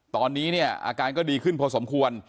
ตอนนี้เนี่ยอาการก็ดีขึ้นพอสมควร